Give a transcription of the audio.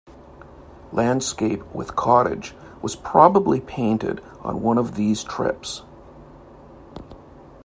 "Landscape with Cottage" was probably painted on one of these trips.